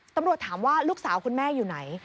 ตำรวจถามว่าลูกสาวคุณแม่อยู่ไหน